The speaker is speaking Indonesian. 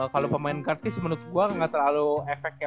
kalau pemain kartis menurut gue gak terlalu efek ya